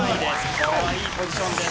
これはいいポジションです。